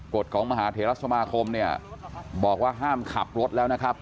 กฎของมหาเทรสมาคมเนี่ยบอกว่าห้ามขับรถแล้วนะครับ